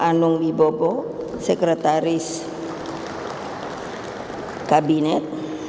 anung wibobo sekretaris kabinet